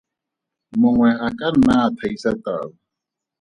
Mongwe a ka nna a thaisa tau.